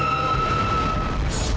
aduh ma aduh ma kenapa ini ma